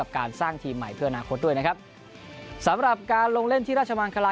การสร้างทีมใหม่เพื่ออนาคตด้วยนะครับสำหรับการลงเล่นที่ราชมังคลา